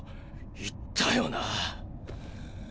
言ったよな。